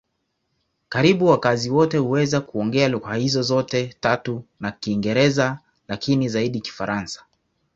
Karibu wakazi wote huweza kuongea lugha hizo zote tatu na Kiingereza, lakini zaidi Kifaransa.